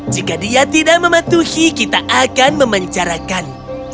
jika dia tidak mematuhi kita akan memencarakan